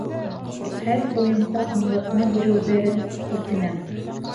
Хәл буйынса аңлатма биреүҙәрен үтенәм.